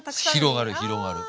広がる広がる。